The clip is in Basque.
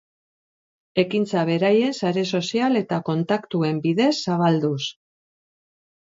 Ekintza beraien sare sozial eta kontaktuen bidez zabalduz.